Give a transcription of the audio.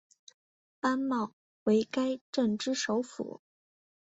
班茂为该镇之首府。